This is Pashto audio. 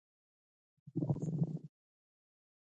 دوی سیمه ییز اتصال ته ژمن دي.